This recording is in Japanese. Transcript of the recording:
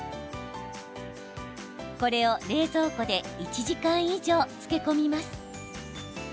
これを冷蔵庫で１時間以上、漬け込みます。